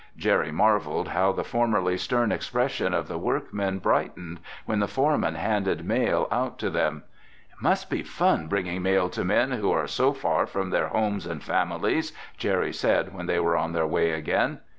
Jerry marveled how the formerly stern expressions of the workmen brightened when the foreman handed mail out to them. "It must be fun bringing mail to men who are so far from their homes and families," Jerry said when they were on their way again.